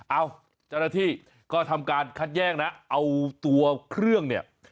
เอาจรภิกษ์ก็ทำการคัดแยกนะเอาตัวเครื่องเนี่ย